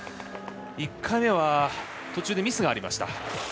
１回目は途中でミスがありました。